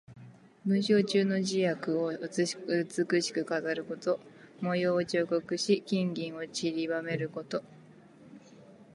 文章中の字や句を美しく飾ること。模様を彫刻し、金銀をちりばめること。